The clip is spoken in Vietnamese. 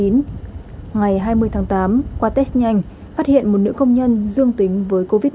ngày hai mươi tháng tám qua test nhanh phát hiện một nữ công nhân dương tính với covid một mươi chín